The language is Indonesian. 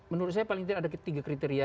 menurut saya paling tidak ada tiga kriteria